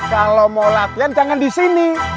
kalau mau latihan jangan disini